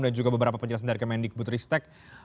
dan juga beberapa penjelasan dari kmnd kebutristek